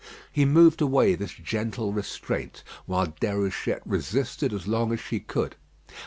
He moved away this gentle restraint, while Déruchette resisted as long as she could.